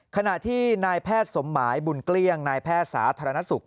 ขณะที่นายแพทย์สมหมายบุญเกลี้ยงนายแพทย์สาธารณสุข